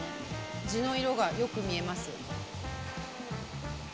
地の色がよく見えます。